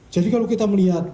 jadi kalau kita melihat